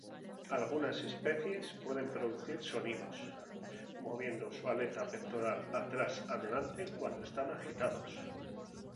Algunas especies pueden producir sonidos moviendo su aleta pectoral atrás-adelante cuando están agitados.